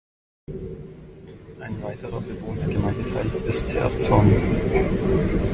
Ein weiterer bewohnter Gemeindeteil ist Herzhorn.